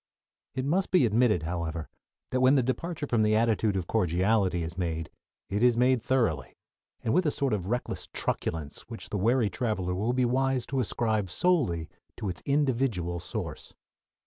It must be admitted, however, that when the departure from the attitude of cordiality is made it is done thoroughly, and with a sort of reckless truculence which the wary traveler will be wise to ascribe solely to its individual source.